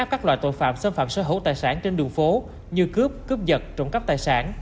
các loại tội phạm xâm phạm sở hữu tài sản trên đường phố như cướp cướp vật trộm cắp tài sản